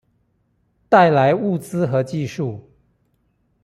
帶來物資和技術